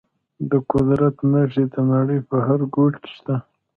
د قدرت نښې د نړۍ په هر ګوټ کې شته.